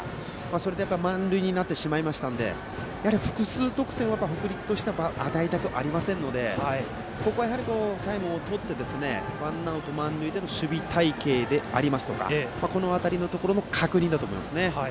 それで満塁になってしまいましたので複数得点は、北陸としてはやはり与えたくありませんのでここは、タイムをとってワンアウト満塁での守備隊形でありますとかこの辺りのところの確認だと思いますね。